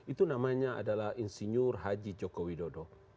itu namanya adalah insinyur haji jokowi dodo